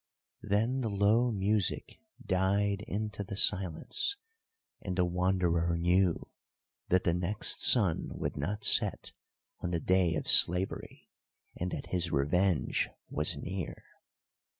Then the low music died into the silence, and the Wanderer knew that the next sun would not set on the day of slavery, and that his revenge was near.